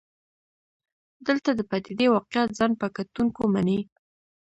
دلته د پدیدې واقعیت ځان په کتونکو مني.